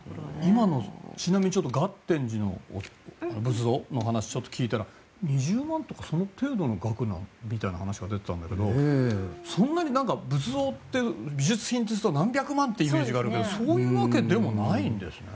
ちなみに月天子の仏像の話を聞いたら２０万とかその程度の額みたいな話が出てたんだけどそんなに仏像って美術品って何百万円というイメージがあるんだけどそんなわけでもないんですね。